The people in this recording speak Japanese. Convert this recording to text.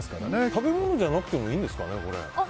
食べ物じゃなくてもいいんですかね。